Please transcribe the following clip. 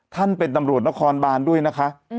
ท่านเป็นตำรวจนครบานด้วยนะคะ